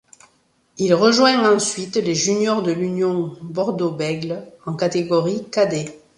Il rejoint ensuite les juniors de l'Union Bordeaux Bègles en catégorie cadet.